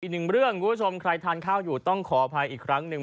อีกหนึ่งเรื่องคุณผู้ชมใครทานข้าวอยู่ต้องขออภัยอีกครั้งหนึ่ง